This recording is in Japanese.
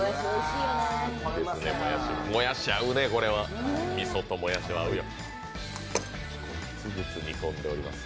もやし、合うね、みそともやしは合うよ。